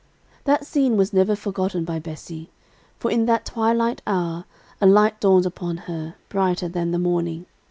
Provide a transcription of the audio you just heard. That scene was never forgotten by Bessie; for in that twilight hour, a light dawned upon her, brighter than the morning.